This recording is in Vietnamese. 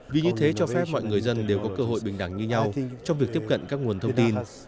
vì như thế cho phép mọi người dân đều có cơ hội bình đẳng như nhau trong việc tiếp cận các nguồn thông tin